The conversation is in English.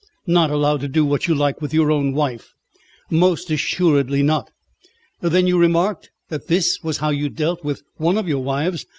Not allowed to do what you like with your own wife!" "Most assuredly not. Then you remarked that this was how you dealt with one of your wives.